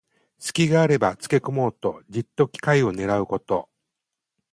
すきがあればつけこもうと、じっと機会をねらうこと。